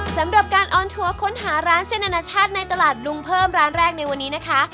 สำหรับการออนทัวร์ค้นหาร้านเส้นอนาชาติในตลาดดุงเพิ่มร้านแรกในวันนี้นะคะ